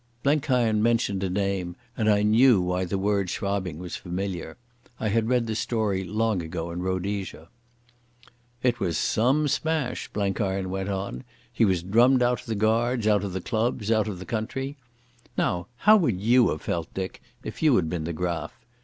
Blenkiron mentioned a name, and I knew why the word Schwabing was familiar. I had read the story long ago in Rhodesia. "It was some smash," Blenkiron went on. "He was drummed out of the Guards, out of the clubs, out of the country.... Now, how would you have felt, Dick, if you had been the Graf?